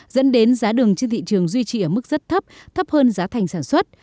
dẫn đến giá đường trên thị trường duy trì ở mức rất thấp thấp hơn giá thành sản xuất